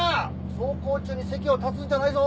走行中に席を立つんじゃないぞ！